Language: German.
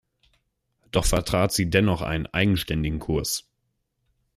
Doch vertrat sie dennoch einen eigenständigen Kurs.